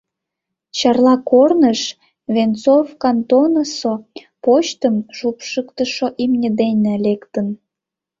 Чарла корныш Венцов кантонысо почтым шупшыктышо имне дене лектын.